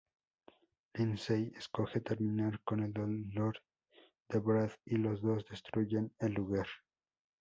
Lindsey escoge terminar con el dolor de Brad y los dos destruyen el lugar.